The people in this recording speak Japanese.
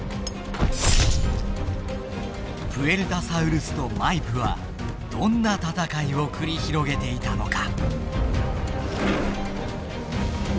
プエルタサウルスとマイプはどんな戦いを繰り広げていたのか。